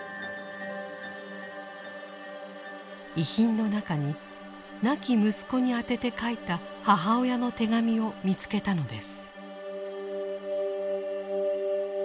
遺品の中に亡き息子に宛てて書いた母親の手紙を見つけたのです。